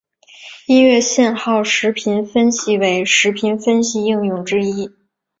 音乐信号时频分析为时频分析应用之一。